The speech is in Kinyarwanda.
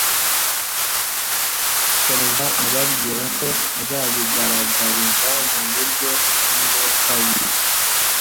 Akomeza ababwira ko azabigaragariza mu buryo bw'umwuka we.